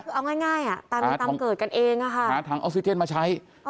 คือเอาง่ายตามเกิดกันเองหาถังออกซิเจนมาใช้